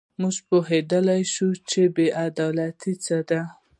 موږ پوهېدلای شو چې بې عدالتي څه ده.